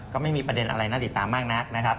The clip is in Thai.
ก็ไม่มีประเด็นอะไรน่าติดตามมากนักนะครับ